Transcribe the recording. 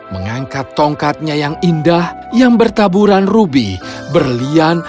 mengangkat tongkatnya yang indah yang bertaburan rubi berlian